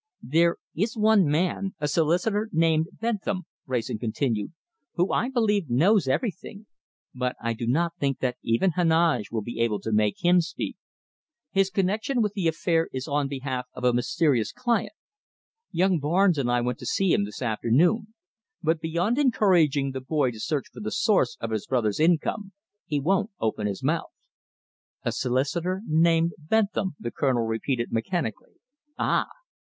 "There is one man, a solicitor named Bentham," Wrayson continued, "who I believe knows everything. But I do not think that even Heneage will be able to make him speak. His connection with the affair is on behalf of a mysterious client. Young Barnes and I went to see him this afternoon, but beyond encouraging the boy to search for the source of his brother's income, he wouldn't open his mouth." "A solicitor named Bentham," the Colonel repeated mechanically. "Ah!"